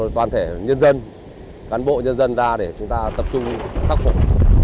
toàn thể nhân dân cán bộ nhân dân ra để chúng ta tập trung khắc phục